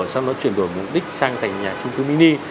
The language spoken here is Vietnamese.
sau đó chuyển đổi mục đích sang thành nhà trung cư mini